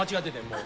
もう。